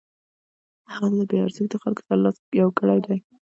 هغه له بې ارزښتو خلکو سره لاس یو کړی دی.